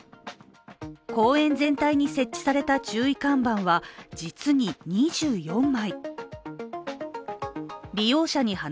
公園全体に設置された注意看板は実に２４枚。